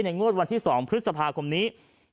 งวดวันที่๒พฤษภาคมนี้